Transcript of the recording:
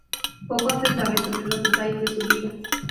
Poco se sabe sobre los detalles de su vida.